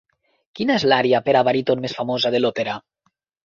Quina és l'ària per a baríton més famosa de l'òpera?